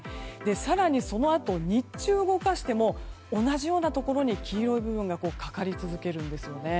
更にそのあと、日中動かしても同じようなところに黄色い部分がかかり続けるんですね。